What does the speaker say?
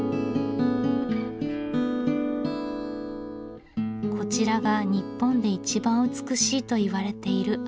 こちらが日本で一番美しいといわれている廃線跡。